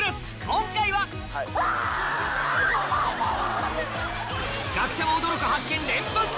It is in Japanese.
今回は学者も驚く発見連発！